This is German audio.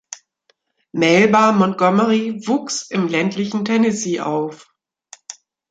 Melba Montgomery wuchs im ländlichen Tennessee auf.